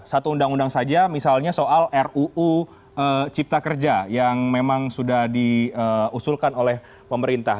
satu undang undang saja misalnya soal ruu cipta kerja yang memang sudah diusulkan oleh pemerintah